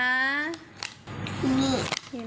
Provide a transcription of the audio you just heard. นี่ค่ะจีน่า